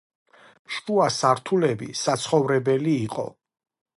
შუა სართულები საცხოვრებელი იყო.